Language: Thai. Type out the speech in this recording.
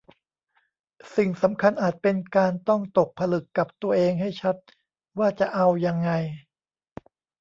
สิ่งสำคัญอาจเป็นการต้องตกผลึกกับตัวเองให้ชัดว่าจะเอายังไง